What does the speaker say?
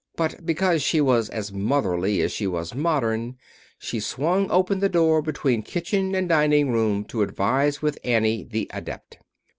But because she was as motherly as she was modern she swung open the door between kitchen and dining room to advise with Annie, the adept.